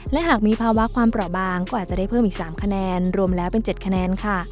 และหากมีภาวะความเปราะบางก็อาจจะได้เพิ่มอีก๓คะแนนรวมแล้วเป็น๗คะแนนค่ะ